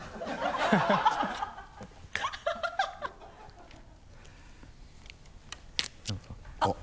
ハハハ あっ。